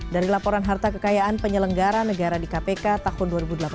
dari laporan harta kekayaan penyelenggara negara di kpk tahun dua ribu delapan belas